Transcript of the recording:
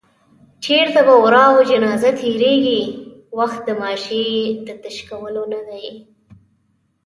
چېرته به ورا او جنازه تېرېږي، وخت د ماشې د تش کولو نه دی